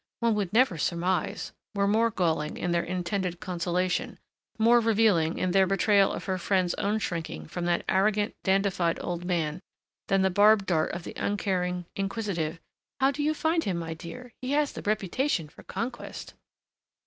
One would never surmise," were more galling in their intended consolation, more revealing in their betrayal of her friends' own shrinking from that arrogant, dandified old man than the barbed dart of the uncaring, inquisitive, "How do you find him, my dear? He has the reputation for conquest!"